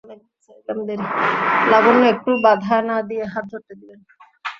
লাবণ্য একটুও বাধা না দিয়ে হাত ধরতে দিলে।